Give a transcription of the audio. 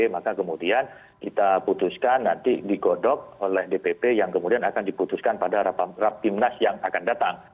maka kemudian kita putuskan nanti digodok oleh dpp yang kemudian akan diputuskan pada rapimnas yang akan datang